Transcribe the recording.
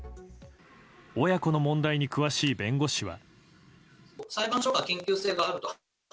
親子の問題に詳しい弁護士は。